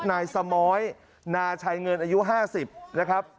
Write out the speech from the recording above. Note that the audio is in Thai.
นายสมอยนาชัยเงินอายุ๕๐นะครับ